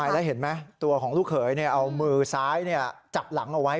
แล้วเห็นไหมตัวของลูกเขยเอามือซ้ายจับหลังเอาไว้